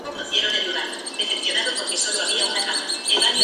Se disponen profundamente en la cavidad bucal, paralelamente a la boca.